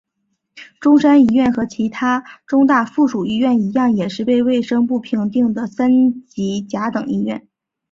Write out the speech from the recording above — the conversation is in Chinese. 中山一院和其它中大附属医院一样也是被卫生部评定的三级甲等医院。